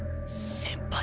先輩。